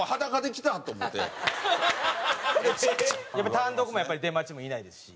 単独もやっぱり出待ちもいないですし。